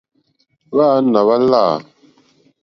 Hwáǎnà hwá láǃá.